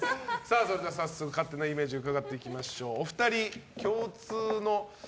それでは早速勝手なイメージを伺っていきましょう。